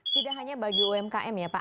tidak hanya bagi umkm ya pak